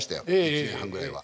１年半ぐらいは。